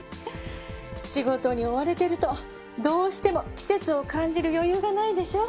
仕事に追われてるとどうしても季節を感じる余裕がないでしょ。